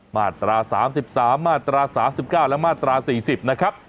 มาตรา๓๓มาตรา๓๙และมาตรา๔๐นะครับ